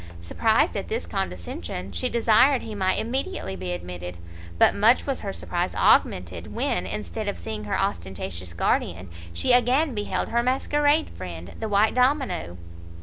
Surprised at this condescension, she desired he might immediately be admitted; but much was her surprise augmented, when, instead of seeing her ostentatious guardian, she again beheld her masquerade friend, the white domino.